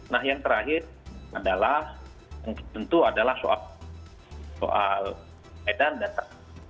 nah yang terakhir adalah yang tertentu adalah soal keadaan dasar